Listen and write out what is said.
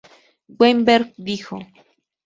Weinberg dijo.